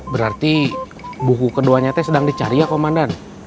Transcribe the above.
berarti buku keduanya teh sedang dicari ya komandan